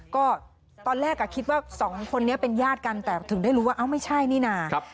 ก็ตอนแรกคิดว่าสองคนนี้เป็นญาติกันแต่ถึงได้รู้ว่าเอ้าไม่ใช่นี่นะ